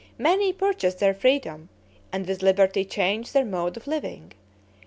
Many purchased their freedom, and with liberty changed their mode of living.